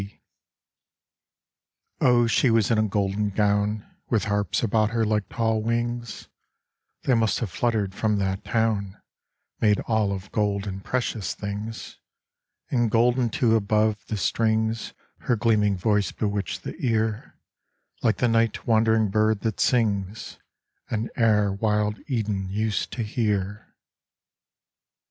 D. Oh she was in a golden gown With harps about her like tall wings : They must have fluttered from that town Made all of gold and precious things : And golden too above the strings Her gleaming voice bewitched the ear Like the night wandering bird that sings An air wild Eden used to hear